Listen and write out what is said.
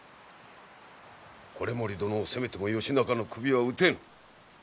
維盛殿を責めても義仲の首は討てん。